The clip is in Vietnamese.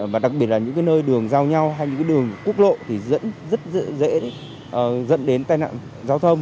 và đặc biệt là những nơi đường giao nhau hay những đường cúp lộ thì rất dễ dẫn đến tai nạn giao thông